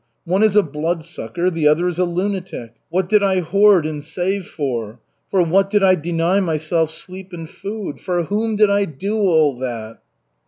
One is a bloodsucker, the other is a lunatic. What did I hoard and save for? For what did I deny myself sleep and food? For whom did I do all that?"